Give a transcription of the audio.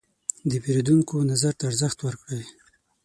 د پیرودونکو نظر ته ارزښت ورکړئ.